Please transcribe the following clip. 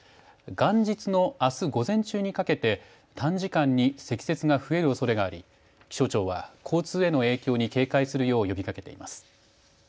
元日のあす午前中にかけて短時間に積雪が増えるおそれがあり気象庁は交通への影響に警戒するよう呼びかけています。